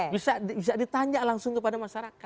bisa ditanya langsung kepada masyarakat